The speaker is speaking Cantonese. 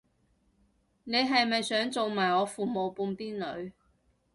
你係咪想做埋我父母半邊女